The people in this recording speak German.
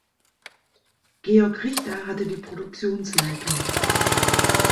Georg Richter hatte die Produktionsleitung.